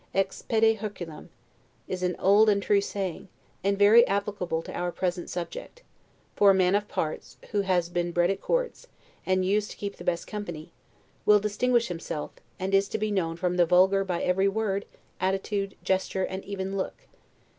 Ex pede Herculem' is an old and true saying, and very applicable to our present subject; for a man of parts, who has been bred at courts, and used to keep the best company, will distinguish himself, and is to be known from the vulgar by every word, attitude, gesture, and even look.